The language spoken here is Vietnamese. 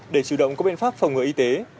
để chủ động có biện pháp phòng ngừa y tế